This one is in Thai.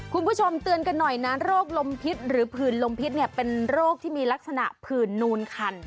คุณผู้ชมเตือนกันหน่อยนะโรคลมพิษหรือผื่นลมพิษเนี่ยเป็นโรคที่มีลักษณะผื่นนูนคัน